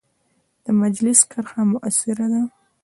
د مجلس کرښه مؤثره ده.